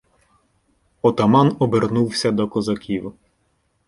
Отаман обернувся до козаків.